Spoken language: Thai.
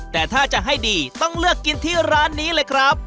แต่ถ้าจะให้ดีต้องเลือกกินที่ร้านนี้เลยครับ